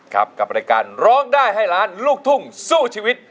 กับรายการร้องได้ให้ล้านลูกทุ่งสู้ชีวิต